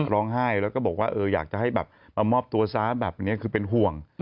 ร้องไห้แล้วก็บอกว่าอยากจะให้แบบมามอบตัวซะแบบนี้คือเป็นห่วง